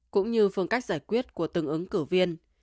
cũng như phương cách giải quyết của từng ứng cử viên